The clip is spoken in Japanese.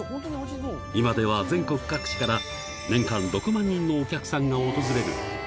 今では全国各地から、年間６万人のお客さんが訪れる。